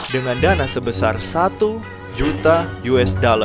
dengan dana sebesar satu juta usd